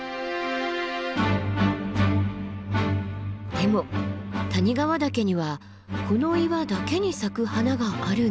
でも谷川岳にはこの岩だけに咲く花があるんだそうです。